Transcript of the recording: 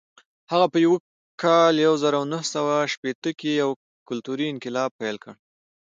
هغه په کال یو زر نهه سوه شپېته کې یو کلتوري انقلاب پیل کړ.